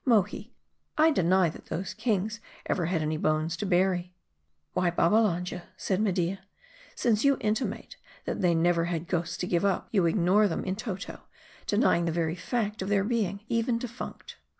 Mohi, I deny that those kings ever had any bones to bury." "Why , Babbalanja," 'said Media, " since you intimate that they never had ghosts to give up, you ignore them in toto ; denying the very fact of their being even defunct."